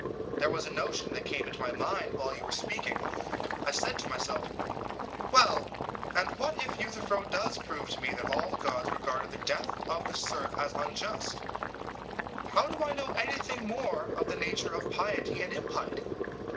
There was a notion that came into my mind while you were speaking; I said to myself: 'Well, and what if Euthyphro does prove to me that all the gods regarded the death of the serf as unjust, how do I know anything more of the nature of piety and impiety?